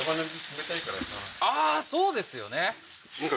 ああーそうですよね